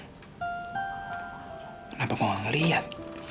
kenapa kok gak ngeliat